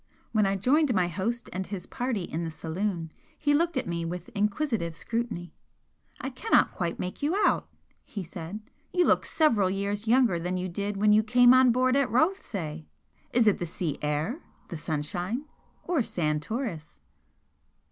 When I joined my host and his party in the saloon he looked at me with inquisitive scrutiny. "I cannot quite make you out," he said "You look several years younger than you did when you came on board at Rothesay! Is it the sea air, the sunshine, or Santoris?"